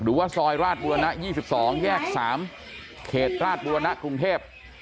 หรือว่าซอยราชบุรณะ๒๒แยก๓เขตราชบุรณะกรุงเทพ